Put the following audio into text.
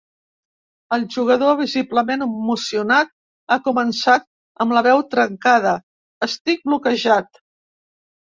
El jugador, visiblement emocionat, ha començat amb la veu trencada: Estic bloquejat.